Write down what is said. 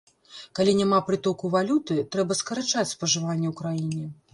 Калі няма прытоку валюты, трэба скарачаць спажыванне ў краіне.